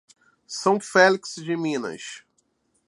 São Félix de Minas